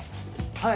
はい。